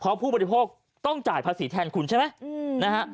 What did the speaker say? เพราะผู้บริโภคต้องจ่ายภาษีแทนคุณใช่ไหมนะฮะ